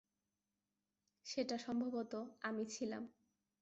সেটা সম্ভবত আমি ছিলাম।